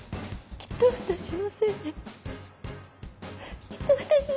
きっと私のせいであの。